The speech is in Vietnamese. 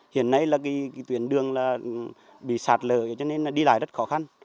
hiện nay tuyển đường bị sạt lở cho nên đi lại rất khó khăn